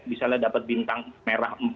misalnya dapat bintang merah empat